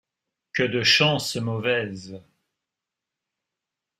Que de chances mauvaises!